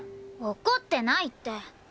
怒ってないって！